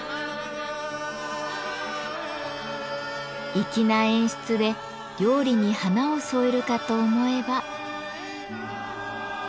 粋な演出で料理に華を添えるかと思えば。